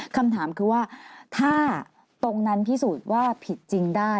คำถามคือว่าถ้าตรงนั้นพิสูจน์ว่าผิดจริงได้